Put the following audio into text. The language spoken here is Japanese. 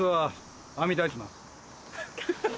ハハハ！